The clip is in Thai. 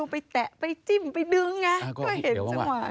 ไปจิ้มไปดึงไง